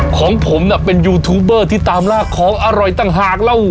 ของผมน่ะเป็นยูทูบเบอร์ที่ตามลากของอร่อยต่างหากแล้ว